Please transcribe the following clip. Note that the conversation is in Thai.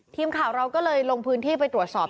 ทีมข่าวเราก็เลยลงพื้นที่ไปตรวจสอบ